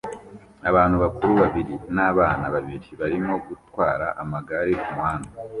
Abantu bakuru babiri n'abana babiri barimo gutwara amagare kumuhanda